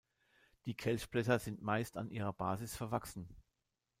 Die Kelchblätter sind meist an ihrer Basis verwachsen.